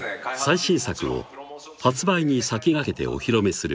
最新作を発売に先駆けてお披露目する